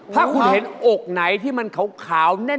ถ้าคุณเห็นอกไหนที่มันขาวแน่น